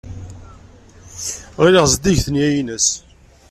Ɣileɣ zeddiget nneyya-nnes.